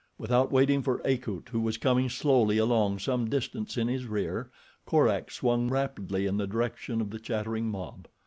Without waiting for Akut who was coming slowly along some distance in his rear, Korak swung rapidly in the direction of the chattering mob.